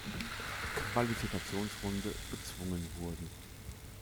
Qualifikationsrunde bezwungen wurden.